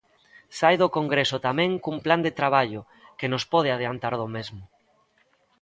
Sae do congreso tamén cun plan de traballo, que nos pode adiantar do mesmo?